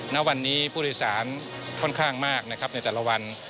ณวันนี้ผู้โดยสารค่อนข้างมากนะครับในแต่ละวัน